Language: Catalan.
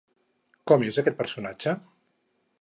Com és aquest personatge?